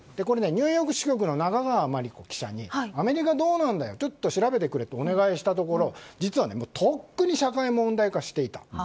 ニューヨーク支局の中川真理子記者にアメリカ、どうなんだよちょっと調べてくれとお願いをしたところ実はとっくに社会問題化していた。